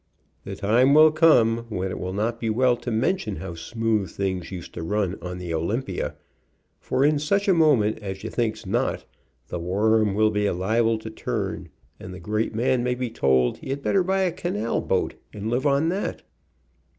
The time will come when it will not be well to mention how smooth things used to run on the Olympia, for in such a mo ment as ye think not, the worm will be liable to turn, and the great man may be told he better buy a canal boat and live on that.